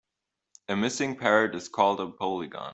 A missing parrot is called a polygon.